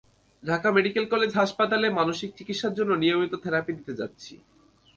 Dhaka medical college হাসপাতালে মানসিক চিকিৎসার জন্য নিয়মিত থেরাপি দিতে যাচ্ছি।